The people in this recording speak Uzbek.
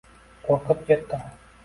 Qo‘rqib ketdim.